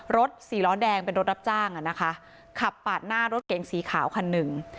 สี่ล้อแดงเป็นรถรับจ้างอ่ะนะคะขับปาดหน้ารถเก๋งสีขาวคันหนึ่ง